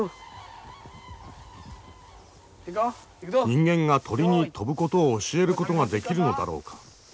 人間が鳥に飛ぶことを教えることができるのだろうか。